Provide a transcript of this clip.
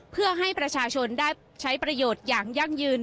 เพื่อให้ประชาชนได้ใช้ประโยชน์อย่างยั่งยืน